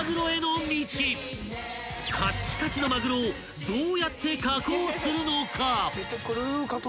［カッチカチのまぐろをどうやって加工するのか？］